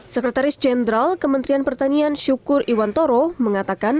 sekretaris jenderal kementerian pertanian syukur iwantoro mengatakan